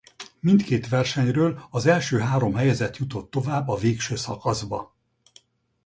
Mindkét versenyről az első három helyezett jutott tovább a végső szakaszba.